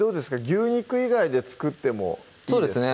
牛肉以外で作ってもいいですか？